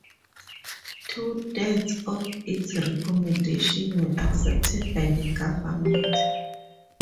Two thirds of its recommendations were accepted by the government.